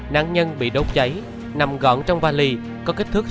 nạn nhân bị đốt cháy nằm gọn trong vali có kích thước sáu mươi cm